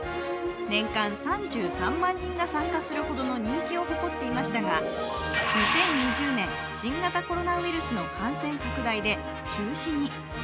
年間３３万人が参加するほどの人気を誇っていましたが２０２０年、新型コロナウイルスの感染拡大で中止に。